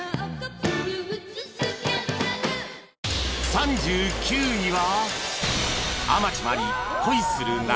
３９位は